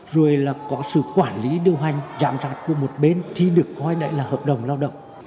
rồi là có sự quản lý điều hành giảm rạp của một bên thì được coi lại là hợp đồng lao động